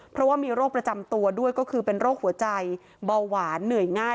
เพราะว่ามีโรคประจำตัวด้วยก็คือเป็นโรคหัวใจเบาหวานเหนื่อยง่าย